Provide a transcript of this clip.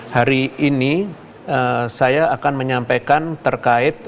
hari ini saya akan menyampaikan terkait